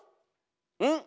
うん？